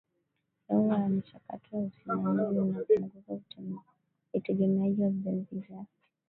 hewa na michakato ya usimamizi zinapunguza utegemeaji wa baadhi ya